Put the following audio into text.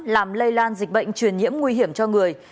làm lây lan dịch bệnh truyền nhiễm nguy hiểm cho người